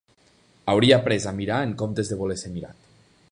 Hauria après a mirar en comptes de voler ser mirat.